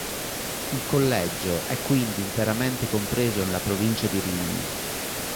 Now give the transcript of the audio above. Il collegio è quindi interamente compreso nella provincia di Rimini.